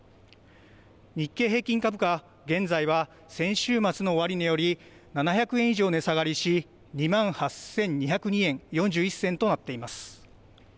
日経平均株価、現在は先週末の終値より７００円以上値下がりし２万８２０２円４１銭となっています。